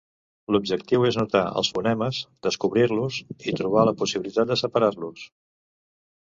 L’objectiu és notar els fonemes, descobrir-los i trobar la possibilitat de separar-los.